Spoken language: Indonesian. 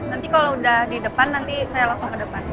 nanti kalau udah di depan nanti saya langsung ke depan